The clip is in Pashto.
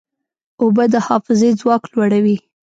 اوبه د حافظې ځواک لوړوي.